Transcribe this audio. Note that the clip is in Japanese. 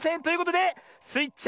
ということでスイ